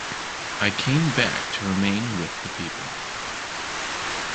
I came back to remain with the people.